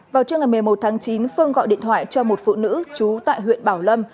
vào trưa ngày một mươi một tháng chín phương gọi điện thoại cho một phụ nữ trú tại huyện bảo lâm